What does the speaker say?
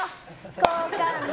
好感度！